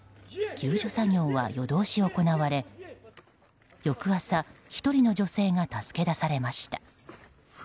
救助作業は夜通し行われ翌朝、１人の女性が助け出されました。